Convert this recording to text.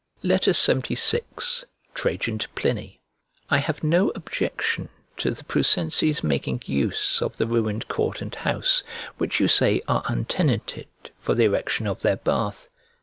LXXVI TRAJAN TO PLINY 1 HAVE no objection to the Prusenses making use of the ruined court and house, which you say are untenanted, for the erection of their bath.